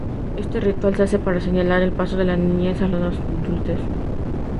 Este ritual se hace para señalar el paso de la niñez a la adultez.